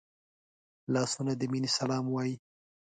لاسونه د مینې سلام وايي